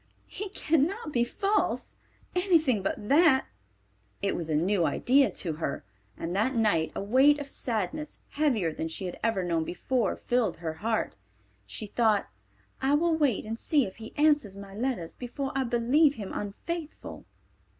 He cannot be false—anything but that." It was a new idea to her, and that night a weight of sadness, heavier than she had ever known before, filled her heart. She thought, "I will wait and see if he answers my letter before I believe him unfaithful."